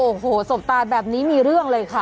โอ้โหสบตายแบบนี้มีเรื่องเลยค่ะ